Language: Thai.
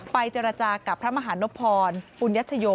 เจรจากับพระมหานพรปุญญชโย